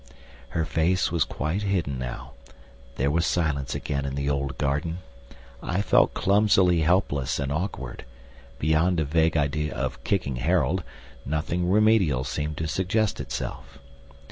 Her face was quite hidden now. There was silence again in the old garden. I felt clumsily helpless and awkward; beyond a vague idea of kicking Harold, nothing remedial seemed to suggest itself.